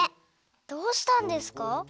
どうしたんですか？